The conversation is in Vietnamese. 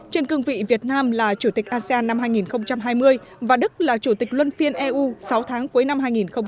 trên cương vị việt nam là chủ tịch asean năm hai nghìn hai mươi và đức là chủ tịch luân phiên eu sáu tháng cuối năm hai nghìn hai mươi